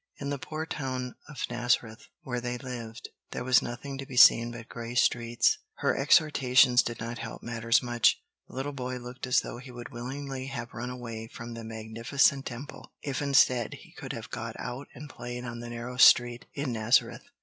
In the poor town of Nazareth, where they lived, there was nothing to be seen but gray streets. Her exhortations did not help matters much. The little boy looked as though he would willingly have run away from the magnificent Temple, if instead he could have got out and played on the narrow street in Nazareth.